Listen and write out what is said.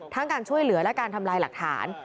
การช่วยเหลือและการทำลายหลักฐาน